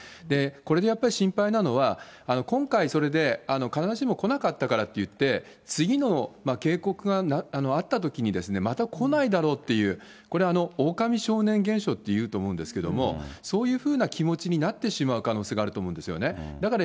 これでやっぱり心配なのは、今回それで、必ずしも来なかったからっていって、次の警告があったときに、また来ないだろうっていう、これ、おおかみ少年現象っていうんですけれども、そういうふうな気持ちになってしまう可能性があると思うんですよね。